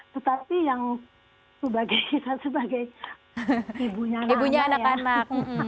tetapi yang sebagai kita sebagai ibunya anak anak